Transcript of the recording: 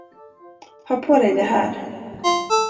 Ha på dig det här.